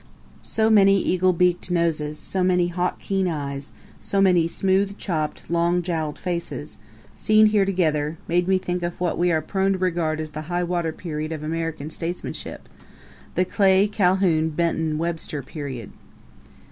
So many eagle beaked noses, so many hawk keen eyes, so many smooth chopped, long jowled faces, seen here together, made me think of what we are prone to regard as the highwater period of American statesmanship the Clay Calhoun Benton Webster period.